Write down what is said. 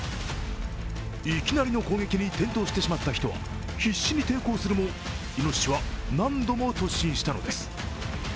いきなりの攻撃に転倒してしまった人は必死に抵抗するも、イノシシは何度も突進したのです。